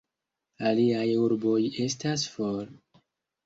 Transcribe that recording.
Aliaj urboj estas for.